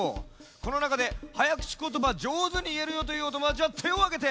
このなかで早口言葉じょうずにいえるよというおともだちはてをあげて！